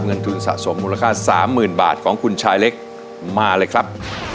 เงินทุนสะสมมูลค่า๓๐๐๐บาทของคุณชายเล็กมาเลยครับ